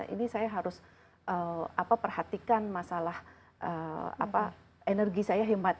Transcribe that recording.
ini saya harus perhatikan masalah energi saya hemat